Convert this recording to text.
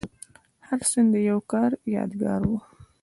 هر سند د یو کار یادګار و.